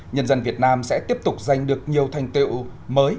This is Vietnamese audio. nhân dân việt nam sẽ tiếp tục giành được nhiều thành tiêu mới